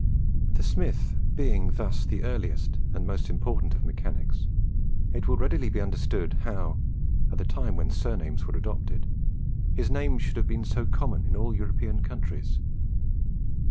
The smith being thus the earliest and most important of mechanics, it will readily be understood how, at the time when surnames were adopted, his name should have been so common in all European countries.